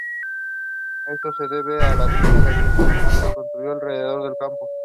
Esto se debía a la pista de atletismo que se construyó alrededor del campo.